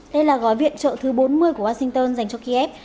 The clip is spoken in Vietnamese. đây là gói viện trợ thứ bốn mươi của washington dành cho kiev